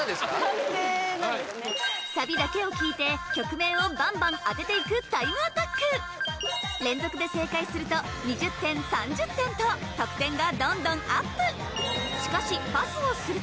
確定なんですねサビだけを聴いて曲名をバンバン当てていくタイムアタック連続で正解すると２０点３０点と得点がどんどんアップ